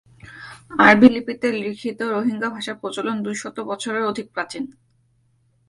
আরবী লিপিতে লিখিত রোহিঙ্গা ভাষার প্রচলন দুইশত বছরের অধিক প্রাচীন।